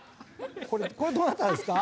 これどなたですか？